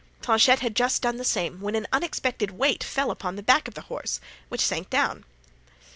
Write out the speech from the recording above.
Planchet had just done the same when an unexpected weight fell upon the back of the horse, which sank down.